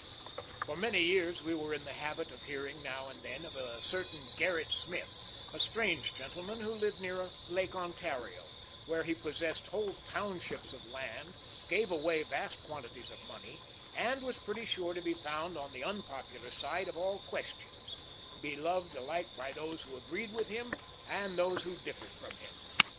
For many years we were in the habit of hearing, now and then, of a certain Gerrit Smith, a strange gentleman who lived near Lake Ontario, where he possessed whole townships of land, gave away vast quantities of money, and was pretty sure to be found on the unpopular side of all questions, beloved alike by those who agreed with him and those who differed from him.